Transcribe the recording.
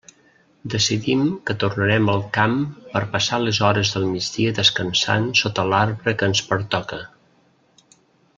Decidim que tornarem al camp per passar les hores del migdia descansant sota l'arbre que ens pertoca.